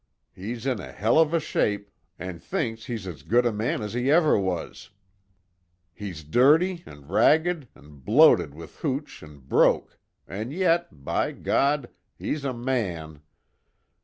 He's in a hell of a shape, an' thinks he's as good a man as he ever was. He's dirty, an' ragged, an' bloated with hooch an' broke an' yet, by God he's a man!